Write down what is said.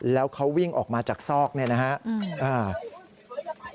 แล้วเขาวิ่งออกมาจากซอกเนี่ยนะครับ